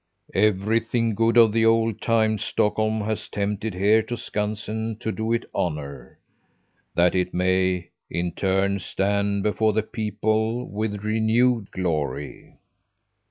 Everything good of the old times Stockholm has tempted here to Skansen to do it honour, that it may, in turn, stand before the people with renewed glory.